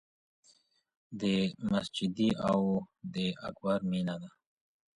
د مسجدي او د اکبر مېنه ده